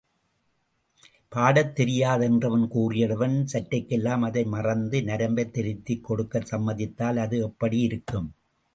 பாடத் தெரியாது என்றவன் கூறியவுடன் சற்றைக்கெல்லாம் அதை மறந்து நரம்பைத் திருத்திக் கொடுக்கச் சம்மதித்தால் அது எப்படி இருக்கும்?